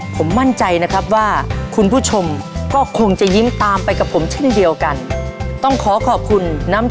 ผมมั่นใจนะครับว่าคุณผู้ชมก็คงจะยิ้มตามไปกับผมเช่นเดียวกัน